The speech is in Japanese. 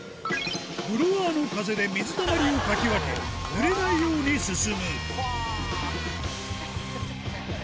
ブロワーの風で水たまりをかき分け、ぬれないように進む。